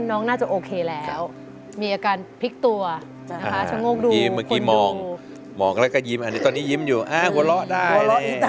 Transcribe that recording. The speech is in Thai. มองแล้วก็ยิ้มตอนนี้ยิ้มอยู่อ้าวเหลือล้อได้